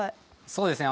そうですね